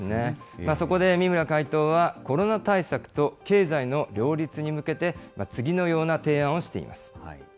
そこで三村会頭は、コロナ対策と経済の両立に向けて、次のような提案をしています。